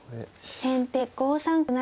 先手５三角成。